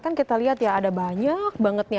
kan kita lihat ya ada banyak banget nih